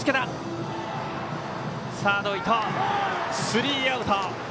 スリーアウト。